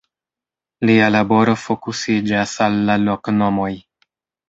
Lia laboro fokusiĝas al la loknomoj.